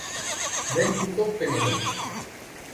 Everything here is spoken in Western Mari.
— Мӹнь цуцок кӹньӹльӹм.